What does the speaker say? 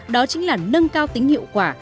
đó chính là nâng cao tính hiệu quả